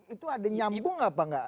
itu ada nyambung apa enggak